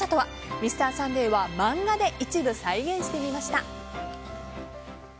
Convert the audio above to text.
「Ｍｒ．サンデー」は漫画で一部再現してみました。